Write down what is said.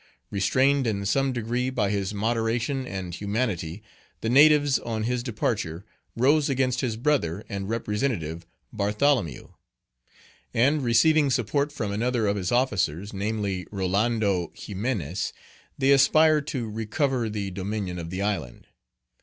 Restrained in some degree by his moderation and humanity, the natives on his departure rose against his brother and representative, Bartholomew; and, receiving support from another of his officers, namely, Rolando Ximenes, they aspired to recover the dominion of the island.